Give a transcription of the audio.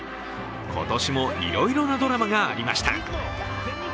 今年もいろいろなドラマがありました。